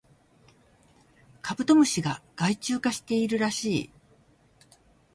カブトムシが害虫化しているらしい